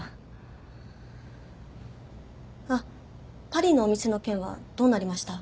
あっパリのお店の件はどうなりました？